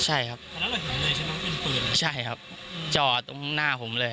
ใช่ครับตอนนั้นเราเห็นเลยใช่ไหมว่าเป็นปืนใช่ครับจ่อตรงหน้าผมเลย